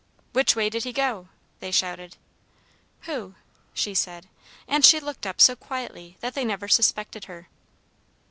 "'Which way did he go?' they shouted. "'Who?' she said, and she looked up so quietly that they never suspected her.